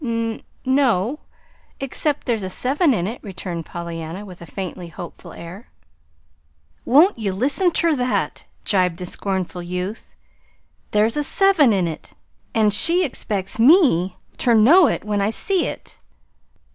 "N no, except there's a seven in it," returned Pollyanna, with a faintly hopeful air. "Won't ye listen ter that?" gibed the scornful youth. "There's a seven in it an' she expects me ter know it when I see it!"